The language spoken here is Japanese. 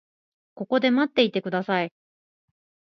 ここで待っていてください。